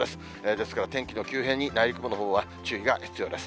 ですから天気の急変に内陸部のほうは注意が必要です。